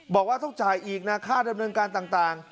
บอกว่าต้องจ่ายอีกนะค่าดำเนินการต่าง